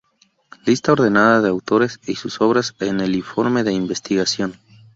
Lista ordenada de autores y sus obras en el informe de investigación.